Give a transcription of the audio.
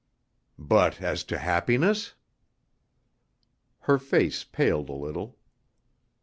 "But as to happiness?" Her face paled a little.